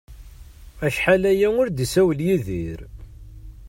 Acḥal aya ur d-isawel Yidir